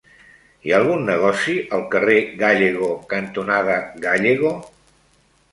Hi ha algun negoci al carrer Gállego cantonada Gállego?